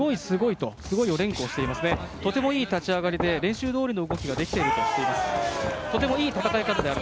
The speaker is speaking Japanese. とてもいい立ち上がりで練習どおりの動きができているととてもいい戦い方である。